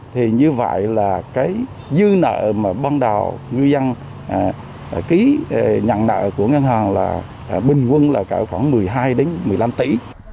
thì như vậy là cái dư nợ mà ban đầu ngư dân ký nhận nợ của ngân hàng là bình quân là cỡ khoảng một mươi hai một mươi năm tỷ